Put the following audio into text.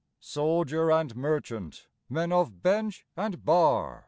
Soldier and merchant, men of bench and bar.